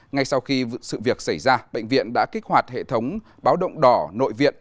ngay sau khi sự việc xảy ra bệnh viện đã kích hoạt hệ thống báo động đỏ nội viện